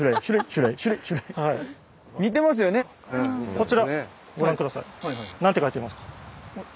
こちらご覧ください。